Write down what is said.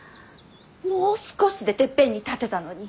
もう少しでてっぺんに立てたのに！